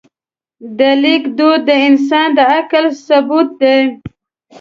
د لیک دود د انسان د عقل ثبوت دی.